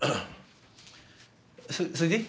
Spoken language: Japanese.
そそれで？